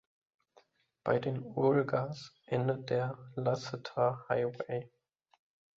Bei den Olgas endet der Lasseter Highway.